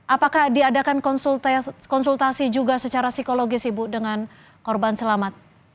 apakah diadakan konsultasi juga secara psikologis ibu dengan korban selamat